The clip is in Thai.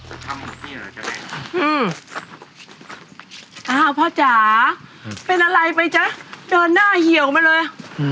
อืมอ้าวพ่อจ๋าเป็นอะไรไปจ๊ะเดินหน้าเหี่ยวมาเลย